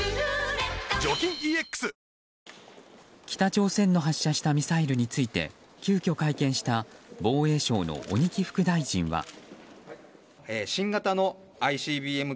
北朝鮮の発射したミサイルについて急きょ会見した防衛省の鬼木副大臣は。